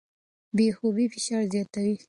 بې خوبۍ فشار زیاتوي.